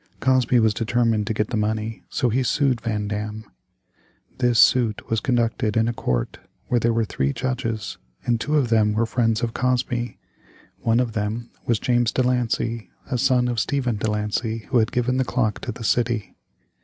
Cosby was determined to get the money, so he sued Van Dam. This suit was conducted in a court where there were three judges, and two of them were friends of Cosby. One of them was James De Lancey, a son of that Stephen De Lancey who had given the clock to the city.